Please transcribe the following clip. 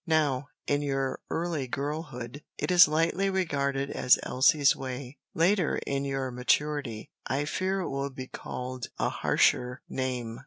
Now, in your early girlhood, it is lightly regarded as "Elsie's way." Later, in your maturity, I fear it will be called a harsher name.